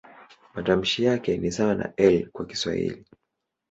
Matamshi yake ni sawa na "L" kwa Kiswahili.